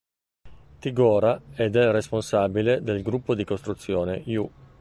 T. Gora e del responsabile del gruppo di costruzione, Ju.